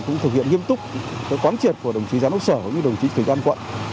cũng thực hiện nghiêm túc với quán triệt của đồng chí gián úc sở và đồng chí thủy an quận